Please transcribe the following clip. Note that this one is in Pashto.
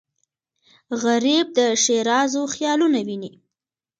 غریب د ښېرازو خیالونه ویني